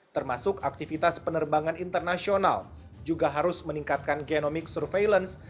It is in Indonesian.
termasuk aktivitas penerbangan internasional juga harus meningkatkan genomic surveillance